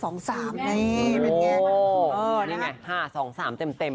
นี่ไง๕๒๓เต็ม